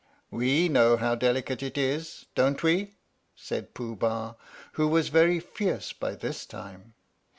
"We know how delicate it is, don't we?" said Pooh Bah, who was very fierce by this time.